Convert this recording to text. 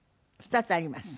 ２つあります。